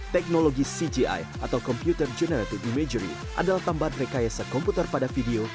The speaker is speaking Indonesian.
teknologi cgi atau computer generated imagery adalah tambahan rekayasa komputer pada video